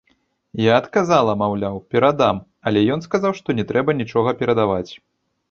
Я адказала, маўляў, перадам, але ён сказаў, што не трэба нічога перадаваць.